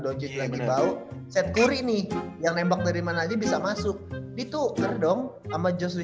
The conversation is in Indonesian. doji lagi bau set kuri nih yang nembak dari mana aja bisa masuk itu kerdong ama josli